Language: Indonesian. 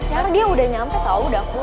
siar dia udah nyampe tau udah pulang